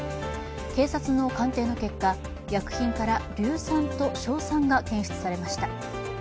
警察の鑑定の結果、薬品から硫酸と硝酸が検出されました。